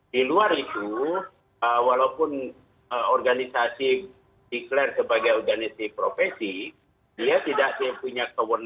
di luar itu walaupun organisasi declare sebagai organisasi profesi dia tidak punya kewenangan